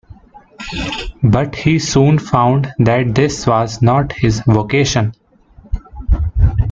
But he soon found that this was not his vocation.